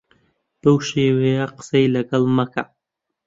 بەو شێوەیە قسەی لەگەڵ مەکە.